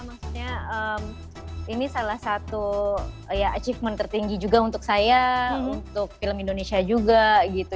maksudnya ini salah satu ya achievement tertinggi juga untuk saya untuk film indonesia juga gitu